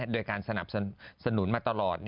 โดยการสนับสนุนมาตลอด